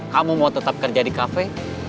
kamu mau tetap kerja di kafe